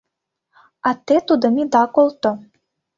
А те тудым ида колто.